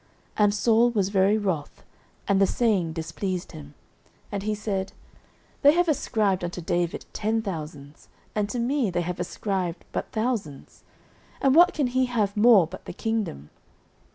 09:018:008 And Saul was very wroth, and the saying displeased him; and he said, They have ascribed unto David ten thousands, and to me they have ascribed but thousands: and what can he have more but the kingdom?